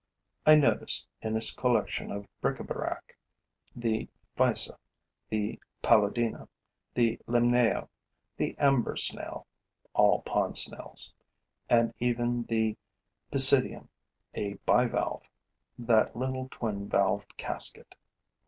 I notice, in its collection of bric a brac, the Physa, the Paludina, the Limnaea, the Amber snail [all pond snails] and even the Pisidium [a bivalve], that little twin valved casket.